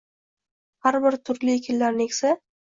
har biri turli ekinlarni eksa